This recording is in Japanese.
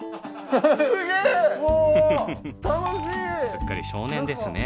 すっかり少年ですね